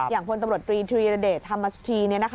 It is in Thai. อย่างพลตำรวจธรีธรีระเดชธรรมสธรี